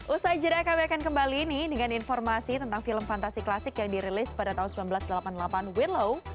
usai jeda kami akan kembali ini dengan informasi tentang film fantasi klasik yang dirilis pada tahun seribu sembilan ratus delapan puluh delapan with law